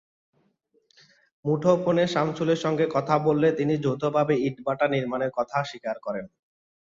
মুঠোফোনে সামছুলের সঙ্গে কথা বললে তিনি যৌথভাবে ইটভাটা নির্মাণের কথা স্বীকার করেন।